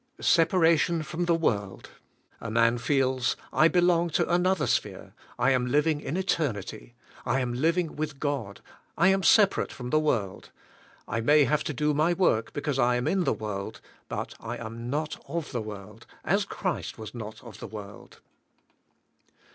Separation from the world. A man feels, I belong to another sphere, I am living in eternity. I am living with God. I am separate from the world. 1 may have to do my work because I am in the world, but I am not of the world as Christ was not of the world.